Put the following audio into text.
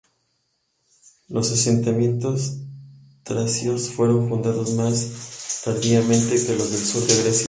Los asentamientos tracios fueron fundados más tardíamente que los del sur de Grecia.